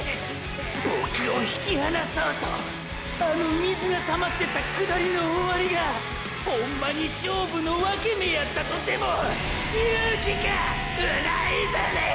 ボクゥを引き離そうと⁉あの水がたまってた下りの終わりがホンマに勝負の分け目やったとでも⁉言う気かうな泉ィィ！！